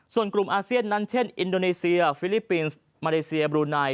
ส่วนกลุ่มอาเซียนนั้นเช่นอินโดนีเซียฟิลิปปินส์มาเลเซียบรูไน